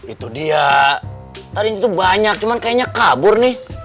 itu dia tadinya tuh banyak cuman kayaknya kabur nih